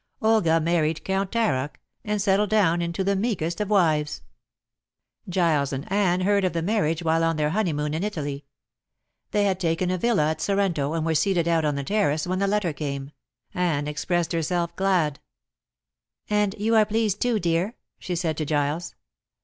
Olga married Count Taroc, and settled down into the meekest of wives. Giles and Anne heard of the marriage while on their honeymoon in Italy. They had taken a villa at Sorrento and were seated out on the terrace when the letter came, Anne expressed herself glad. "And you are pleased too, dear," she said to Giles.